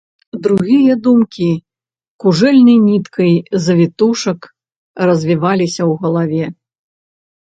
Другія думкі кужэльнай ніткай з вітушак развіваліся ў галаве.